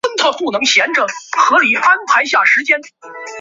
发动机位于底盘的右前方。